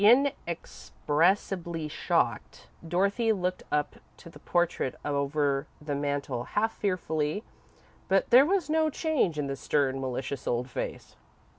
Inexpressibly shocked, Dorothy looked up to the portrait over the mantel half fearfully, but there was no change in the stern, malicious old face.